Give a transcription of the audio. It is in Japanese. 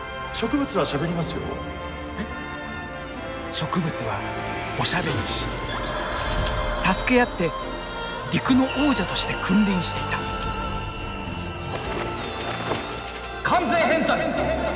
植物はおしゃべりし助け合って陸の王者として君臨していた完全変態！